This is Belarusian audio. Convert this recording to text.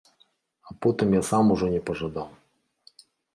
А потым я сам ужо не пажадаў.